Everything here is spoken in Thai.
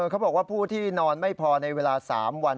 เขาบอกว่าผู้ที่นอนไม่พอในเวลา๓วัน